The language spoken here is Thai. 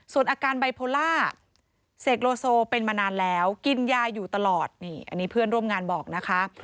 ส่วนอาการไบโพล่าเสกโลโซเป็นมานานแล้วกินยาอยู่ตลอดนี่อันนี้เพื่อนร่วมงานบอกนะคะ